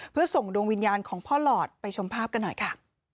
เพื่อส่งดวงวิญญาณของพ่อหลอดไปชมภาพกันหน่อยค่ะ